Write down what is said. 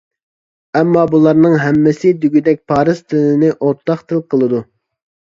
ئەمما بۇلارنىڭ ھەممىسى دېگۈدەك پارس تىلىنى ئورتاق تىل قىلىدۇ.